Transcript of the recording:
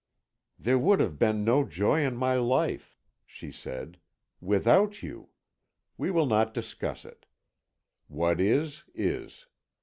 "There would have been no joy in my life," she said, "without you. We will not discuss it. What is, is.